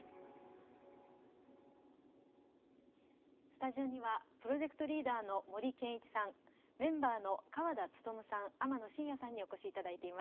スタジオにはプロジェクトリーダーの森健一さんメンバーの河田勉さん天野真家さんにお越し頂いています。